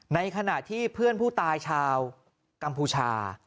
ในขณะที่เพื่อนผู้ตายชาวกัมพูชา